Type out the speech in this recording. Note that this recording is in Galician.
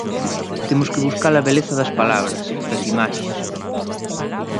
Temos que buscar a beleza das palabras, das imaxes.